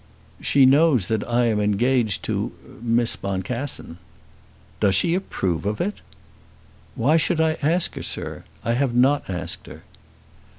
"She knows that I am engaged to Miss Boncassen." "Does she approve of it?" "Why should I ask her, sir? I have not asked her."